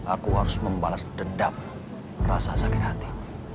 aku harus membalas dendam rasa sakit hati